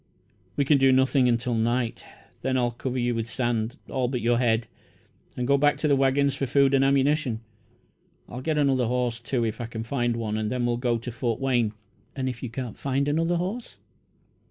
"We can do nothing until night. Then I'll cover you with sand all but your head, and go back to the waggons for food and ammunition. I'll get another horse, too, if I can find one, and then we'll go to Fort Wayne." "And if you can't find another horse?"